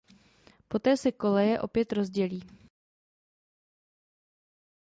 Poté se koleje opět rozdělí.